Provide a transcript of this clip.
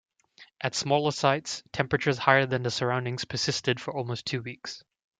At smaller sites, temperatures higher than the surroundings persisted for almost two weeks.